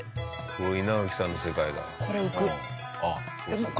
これ稲垣さんの世界だ。